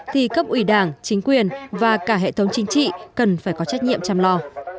thì cấp ủy đảng chính quyền và cả hệ thống chính trị cần phải có trách nhiệm chăm lo